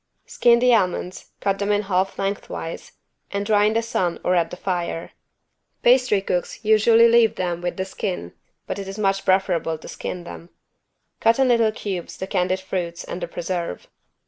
Skin the almonds, cut them in half lengthwise and dry in the sun or at the fire. Pastry cooks usually leave them with the skin but it is much preferable to skin them. Cut in little cubes the candied fruits and the preserve.